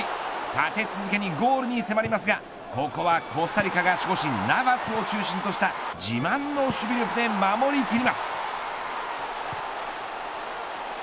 立て続けにゴールに迫りますがここはコスタリカが守護神ナヴァスを中心とした自慢の守備力で守り切ります。